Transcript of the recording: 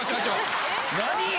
何？